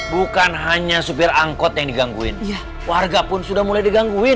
bukan hanya supir angkot yang digangguin warga pun sudah mulai digangguin